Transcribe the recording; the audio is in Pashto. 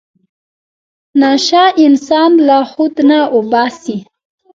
نشه انسان له خود نه اوباسي.